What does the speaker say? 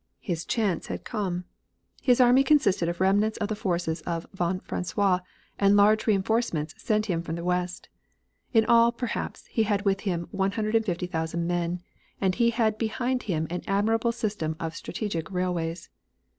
His chance had come. His army consisted of remnants of the forces of von Francois and large reinforcements sent him from the west. In all, perhaps, he had with him 150,000 men, and he had behind him an admirable system of strategic railways.